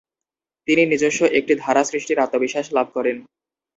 তিনি নিজস্ব একটি ধারা সৃষ্টির আত্মবিশ্বাস লাভ করেন।